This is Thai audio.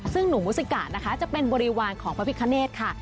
ซึ่งหนูมุสิกะนะคะจะเป็นบริวารของพระพิคเนธค่ะ